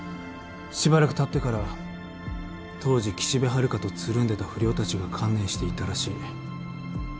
しばらくたってから当時岸辺春香とつるんでた不良たちが観念して言ったらしい。